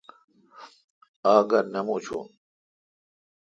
آگا نہ مچون۔